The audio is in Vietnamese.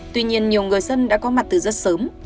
tuy nhiên nhiều người dân đã có mặt từ rất sớm